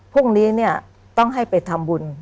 พรุ่งนี้เนี่ยต้องให้ไปทำบุญ